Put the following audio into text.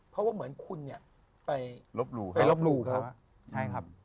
เพราะว่าเหมือนคุณไปลบหลู่ครับ